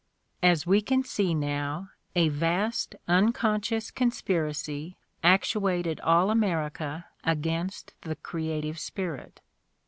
l_ As we can see now, a vast unconscious conspiracy actuated all America against the creative spirit.